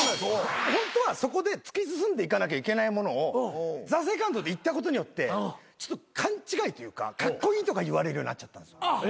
ホントはそこで突き進んでいかなきゃいけないものをＴＨＥＳＥＣＯＮＤでいったことによって勘違いというかカッコイイとか言われるようになっちゃったんですよ。